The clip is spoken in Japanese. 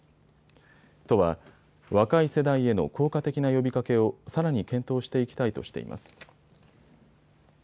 都は若い世代への効果的な呼びかけをさらに検討していきたいとしています。